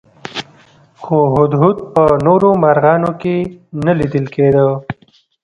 خو هدهد په نورو مرغانو کې نه لیدل کېده.